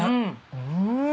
うん。